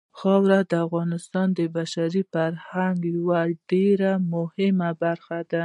خاوره د افغانستان د بشري فرهنګ یوه ډېره مهمه برخه ده.